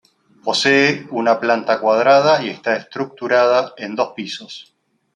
Posee una planta cuadrada y está estructurada en dos pisos.